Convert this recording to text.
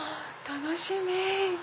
楽しみ！